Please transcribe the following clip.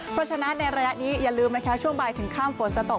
เพราะฉะนั้นในระยะนี้อย่าลืมนะคะช่วงบ่ายถึงข้ามฝนจะตก